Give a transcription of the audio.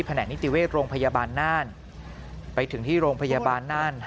แหกนิติเวชโรงพยาบาลน่านไปถึงที่โรงพยาบาลน่าน